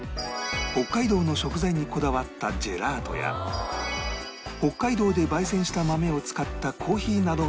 北海道の食材にこだわったジェラートや北海道で焙煎した豆を使ったコーヒーなどが人気のカフェ